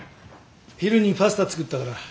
昼にパスタ作ったから。